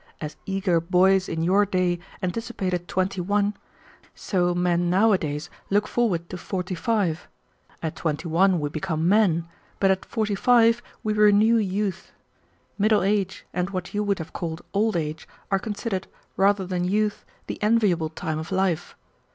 As eager boys in your day anticipated twenty one, so men nowadays look forward to forty five. At twenty one we become men, but at forty five we renew youth. Middle age and what you would have called old age are considered, rather than youth, the enviable time of life.